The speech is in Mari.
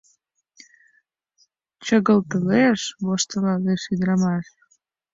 — Чыгылтылеш... — воштылалеш ӱдырамаш.